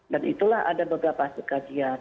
dan itulah ada beberapa kajian